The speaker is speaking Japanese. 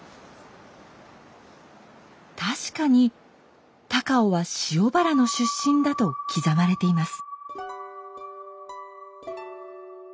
確かに高尾は塩原の出身だと刻まれています。